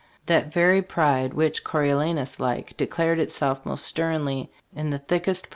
That very pride, which Coriola nus like, declared itself most sternly in the thickest NOTE.